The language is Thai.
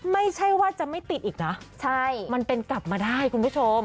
ไม่ใช่ว่าจะไม่ติดอีกนะมันเป็นกลับมาได้คุณผู้ชม